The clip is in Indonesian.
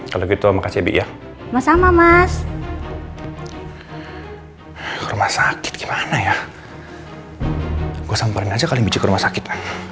kalau gitu makasih ya mas sama mas rumah sakit gimana ya gue sampai aja kalau bisa rumah sakit